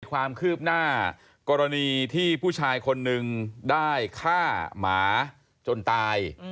ความคืบหน้ากรณีที่ผู้ชายคนนึงได้ฆ่าหมาจนตาย